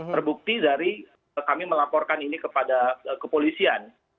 terbukti dari kami melaporkan ini kepada kepolisian